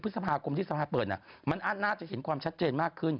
พฤษภาคมที่สภาเปิดมันน่าจะเห็นความชัดเจนมากขึ้น